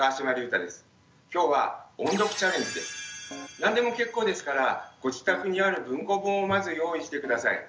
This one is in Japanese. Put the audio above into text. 何でも結構ですからご自宅にある文庫本をまず用意して下さい。